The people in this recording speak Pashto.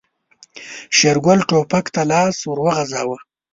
شېرګل ټوپک ته لاس ور وغځاوه.